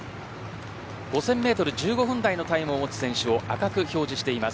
５０００メートル１５分台のタイムを持つ選手は赤く表示しています。